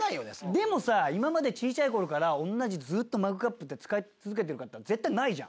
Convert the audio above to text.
でもさ今まで小ちゃい頃から同じずっとマグカップって使い続けてるかっていったら絶対ないじゃん。